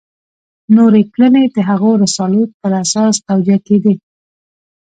نورې کړنې د هغو رسالو پر اساس توجیه کېدې.